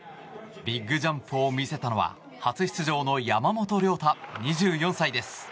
ビッグジャンプを見せたのは初出場の山本涼太、２４歳です。